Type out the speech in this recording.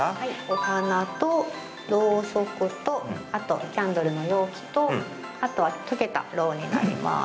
お花と、ろうそくとあとキャンドルの容器とあとは溶けたろうになります。